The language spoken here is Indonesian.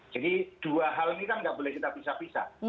jadi dua hal ini kan nggak boleh kita pisah pisah